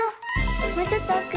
もうちょっとおく。